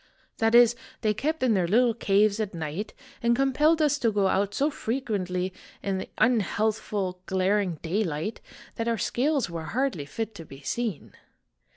That is, they kept in their little caves at night, and compelled us to go out so frequently in the unhealthful, glaring daylight, that our scales were hardly fit to be seen.